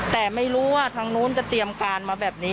แต่ไม่รู้ว่าทางนู้นจะเตรียมการมาแบบนี้